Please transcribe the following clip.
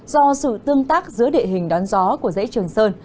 do sự tương tác giữa địa hình đón gió của dãy trường sơn